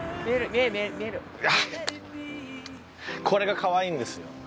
これがかわいいんですよ。